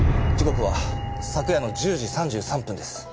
時刻は昨夜の１０時３３分です。